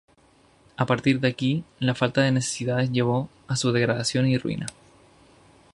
A partir de aquí, la falta de necesidad llevó a su degradación y ruina.